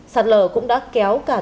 sạt lở cũng đã kéo cả